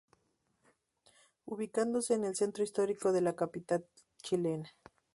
Ubicándose en el centro histórico de la capital chilena.